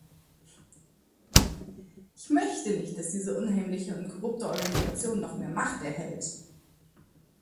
Ich möchte nicht, dass diese unheimliche und korrupte Organisation noch mehr Macht erhält.